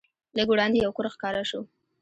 لږ وړاندې یو کور ښکاره شو.